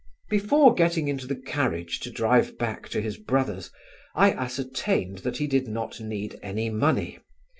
Before getting into the carriage to drive back to his brother's, I ascertained that he did not need any money.